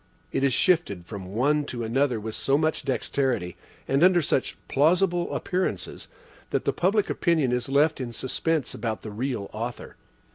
It is shifted from one to another with so much dexterity, and under such plausible appearances, that the public opinion is left in suspense about the real author.